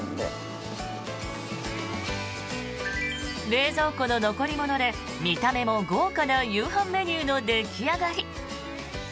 冷蔵庫の残り物で見た目も豪華な夕飯メニューの出来上がり。